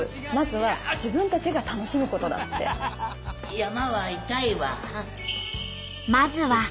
山は痛いわ。